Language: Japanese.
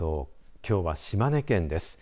きょうは島根県です。